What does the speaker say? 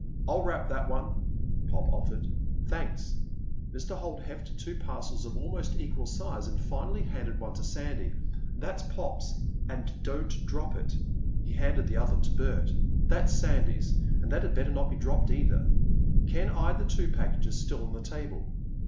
"I'll wrap that one," Pop offered. "Thanks." Mr. Holt hefted two parcels of almost equal size, and finally handed one to Sandy. "That's Pop's—and don't drop it." He handed the other to Bert. "That's Sandy's—and that had better not be dropped either." Ken eyed the two packages still on the table.